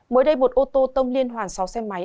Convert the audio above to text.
mới đây một ô tô tông liên hoàn sáu xe máy